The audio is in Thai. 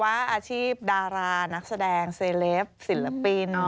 อาชีพดารานักแสดงเซเลปศิลปิน